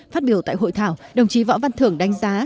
phát biểu tại hội thảo đồng chí võ văn thưởng đánh giá